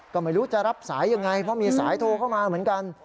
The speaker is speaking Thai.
ก็ไม่รู้จะรับสายยังไงเพราะมีสายโทรเข้ามาเหมือนกัน